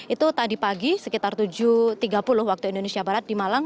itu tadi pagi sekitar tujuh tiga puluh waktu indonesia barat di malang